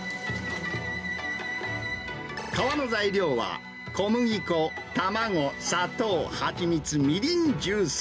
皮の材料は、小麦粉、卵、砂糖、蜂蜜、みりん、重曹。